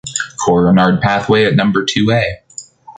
Cour Renaud pathway at number two A